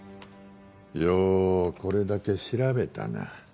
ようこれだけ調べたな。